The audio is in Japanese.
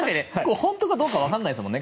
本当かどうか分からないですよね。